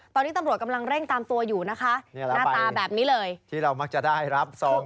ตอนนี้ตำรวจกำลังเล่งตามตัวอยู่นะคะ